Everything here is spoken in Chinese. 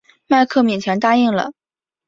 迈克勉强答应了。